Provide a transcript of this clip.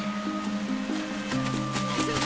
大丈夫？